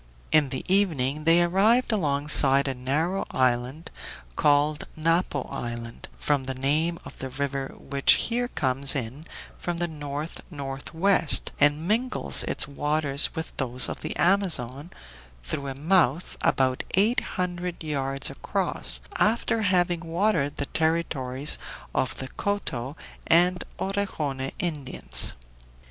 In the evening they arrived alongside a narrow island, called Napo Island, from the name of the river which here comes in from the north northwest, and mingles its waters with those of the Amazon through a mouth about eight hundred yards across, after having watered the territories of the Coto and Orejone Indians.